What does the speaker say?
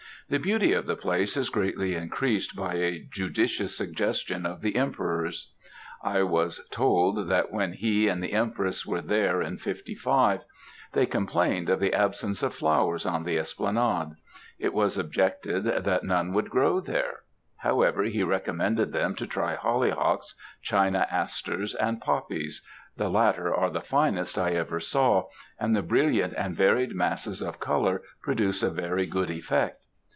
The beauty of the place is greatly increased by a judicious suggestion of the Emperor's. I was told that when he and the Empress were there in '55, they complained of the absence of flowers on the esplanade; it was objected that none would grow there; however, he recommended them to try hollyhocks, china asters, and poppies, the latter are the finest I ever saw, and the brilliant and varied masses of colour produce a very good effect.